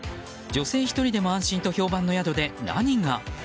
女性１人でも安心と評判の宿で何が。